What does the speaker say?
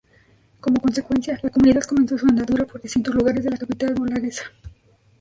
Como consecuencia, la comunidad comenzó su andadura por distintos lugares de la capital burgalesa.